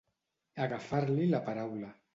Agafar-li la paraula.